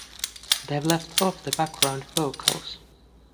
They've left off the background vocals!